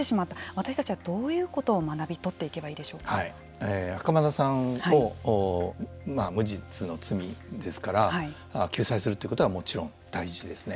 私たちは、どういうことを袴田さんを無実の罪ですから救済するということはもちろん大事ですね。